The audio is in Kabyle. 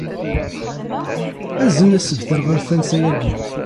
Azen asebter ɣer tansa-agi.